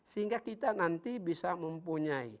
sehingga kita nanti bisa mempunyai